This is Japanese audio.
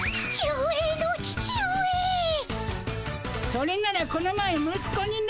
それならこの前息子にの。